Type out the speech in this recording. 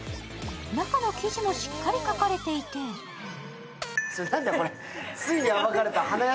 中の記事もしっかり書かれていて何だよ、これ。